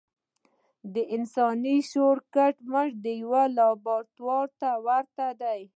د انسان لاشعور کټ مټ يوې لابراتوار ته ورته دی.